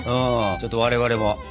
ちょっと我々も。